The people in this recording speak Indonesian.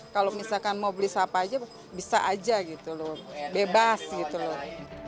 kalau misalkan mau beli sapa aja bisa aja gitu loh bebas gitu loh